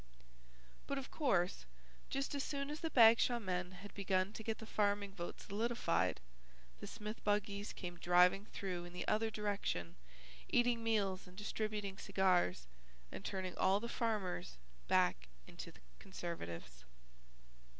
But, of course, just as soon as the Bagshaw men had begun to get the farming vote solidified, the Smith buggies came driving through in the other direction, eating meals and distributing cigars and turning all the farmers back into Conservatives.